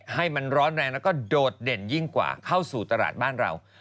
ให้มันร้อนแรงแล้วก็โดดเด่นยิ่งกว่าเข้าสู่ตลาดบ้านเรา